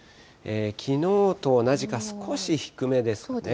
きのうと同じか少し低めですね。